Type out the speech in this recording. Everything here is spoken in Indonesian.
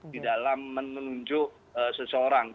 di dalam menunjuk seseorang